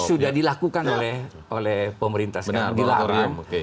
sudah dilakukan oleh pemerintah sekarang dilarang